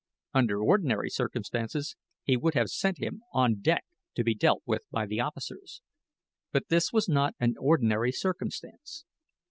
Under ordinary circumstances, he would have sent him on deck to be dealt with by the officers. But this was not an ordinary circumstance.